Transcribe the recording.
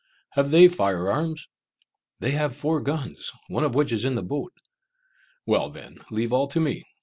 "Have they fire arms?" "They have four guns, one of which is in the boat." "Well then, leave all to me!"